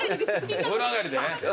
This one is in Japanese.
お風呂上がりでね。